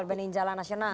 dibanding jalan nasional